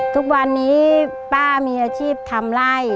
ทุกวันนี้ป้ามีอาชีพทำไล่